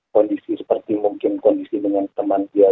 kondisi seperti mungkin kondisi dengan teman dia